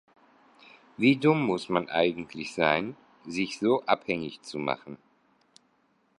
Wie dumm muss man eigentlich sein, sich so abhängig zu machen?